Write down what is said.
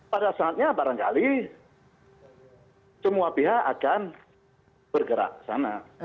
pada saatnya barangkali semua pihak akan bergerak sana